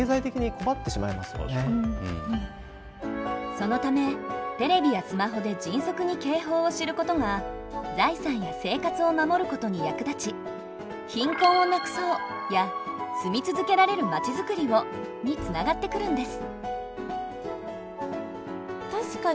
そのためテレビやスマホで迅速に警報を知ることが財産や生活を守ることに役立ち「貧困をなくそう」や「住み続けられるまちづくりを」につながってくるんです。